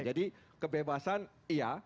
jadi kebebasan iya